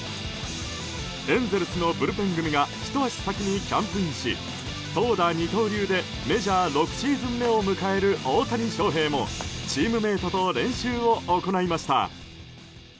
エンゼルスのブルペン組がひと足先にキャンプインし投打二刀流でメジャー６シーズン目を迎える大谷翔平もチームメートと練習を行いました。